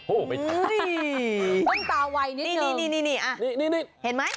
โหไม่ทันนี่ต้นตาไวนิดนึงนี่อ่ะนี่เห็นไหม